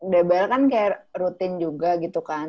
dbl kan kayak rutin juga gitu kan